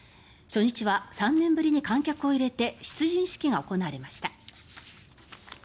初日は３年ぶりに観客を入れて出陣式が行われました。